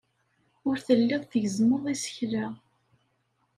Ur telliḍ tgezzmeḍ isekla.